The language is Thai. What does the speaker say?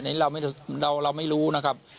อันนี้เราไม่รู้นะครับ